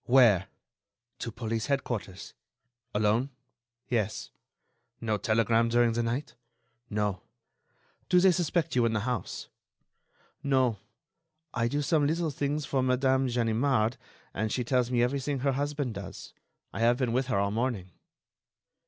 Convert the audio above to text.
"Where?" "To police headquarters." "Alone?" "Yes." "No telegram during the night?" "No." "Do they suspect you in the house?" "No; I do some little things for Madame Ganimard, and she tells me everything her husband does. I have been with her all morning."